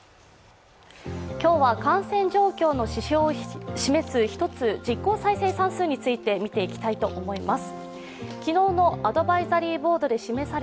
今日は感染状況の指標を示す実効再生産数について見ていきたいと思います。